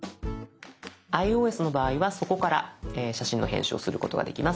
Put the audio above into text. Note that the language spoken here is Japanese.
ｉＯＳの場合はそこから写真の編集をすることができます。